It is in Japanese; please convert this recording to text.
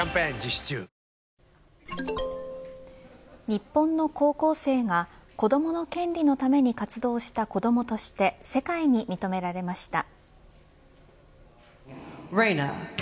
日本の高校生が子どもの権利のために活動した子どもとして世界に認められました。